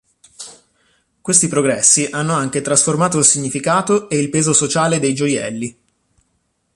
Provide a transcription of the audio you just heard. Questi progressi hanno anche trasformato il significato e il peso sociale dei gioielli.